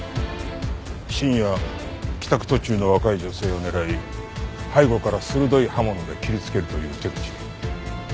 深夜帰宅途中の若い女性を狙い背後から鋭い刃物で切りつけるという手口。